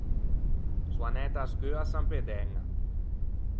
Son anæta à scheua à San Pê d’Æña.